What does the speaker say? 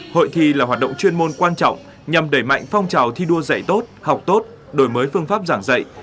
hội thi là hoạt động chuyên môn quan trọng nhằm đẩy mạnh phong trào thi đua dạy tốt học tốt đổi mới phương pháp giảng dạy